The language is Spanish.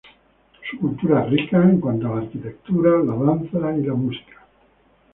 Su cultura es rica en cuanto a la arquitectura, la danza y la música.